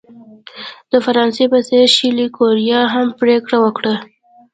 د فرانسې په څېر شلي کوریا هم پرېکړه وکړه.